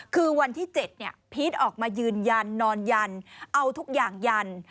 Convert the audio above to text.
คือวันที่๗พีชออกมายืนยันนอนยันเอาทุกอย่างยัน